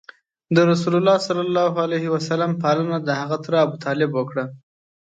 رسول الله ﷺ پالنه دهغه تره ابو طالب وکړه.